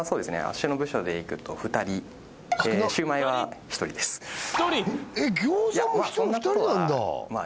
私の部署でいくと２人シュウマイは１人ですまあ